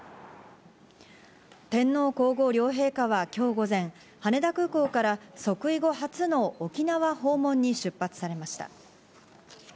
天皇皇后両陛下は、きょう午前、羽田空港から即位後初の沖縄訪問に出発されました。